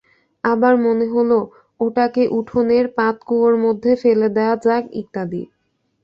আবার মনে হল, ওটাকে উঠোনের পাতকুয়োর মধ্যে ফেলে দেয়া যাক ইত্যাদি।